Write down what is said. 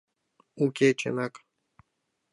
— Уке, чынак...